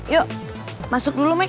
yuk masuk dulu maik